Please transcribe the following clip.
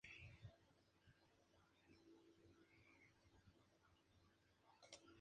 Luego este espacio no es de Hausdorff.